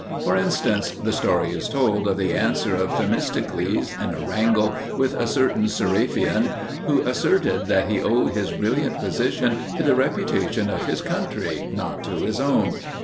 For instance, the story is told of the answer of Themistocles in a wrangle with a certain Seriphian, who asserted that he owed his brilliant position to the reputation of his country, not to his own.